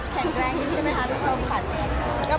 แข็งแรงนิดนึงใช่ไหมคะพี่ชม